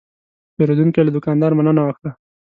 پیرودونکی له دوکاندار مننه وکړه.